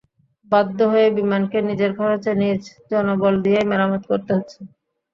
বাধ্য হয়ে বিমানকে নিজের খরচে নিজ জনবল দিয়েই মেরামত করতে হচ্ছে।